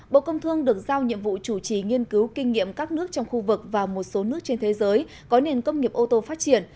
bộ công thương được giao nhiệm vụ chủ trì nghiên cứu kinh nghiệm các nước trong khu vực và một số nước trên thế giới có nền công nghiệp ô tô phát triển